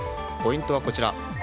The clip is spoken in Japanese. ポイントはこちら。